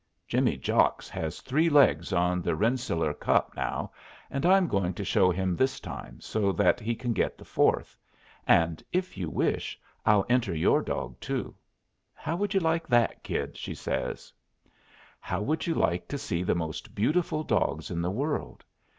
Jimmy Jocks has three legs on the Rensselaer Cup now, and I'm going to show him this time, so that he can get the fourth; and, if you wish, I'll enter your dog too. How would you like that, Kid?" says she. "How would you like to see the most beautiful dogs in the world?